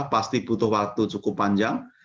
pasti butuh waktu cukup panjang